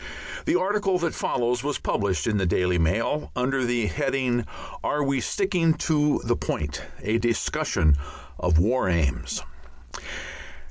The article that follows was published in the Daily Mail under the heading, "Are we Sticking to the Point? A Discussion of War Aims."